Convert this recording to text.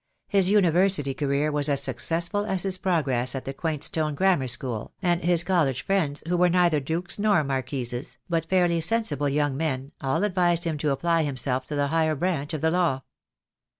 His University career was as successful as his progress at the quaint stone grammar school, and his college friends, who were neither dukes nor marquises, but fairly sensible young men, all advised him to apply himself to the higher branch of the law.